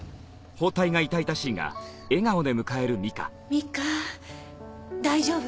美香大丈夫？